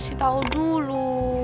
kasih tau dulu